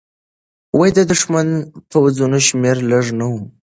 د دښمن د پوځونو شمېر لږ نه و.